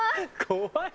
怖い。